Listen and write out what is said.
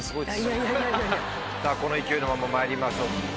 さぁこの勢いのまままいりましょう。